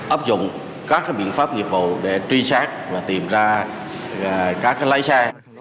ấp dụng các biện pháp nghiệp vụ để truy sát và tìm ra các lái xe